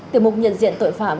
tiểu mục nhận diện tội phạm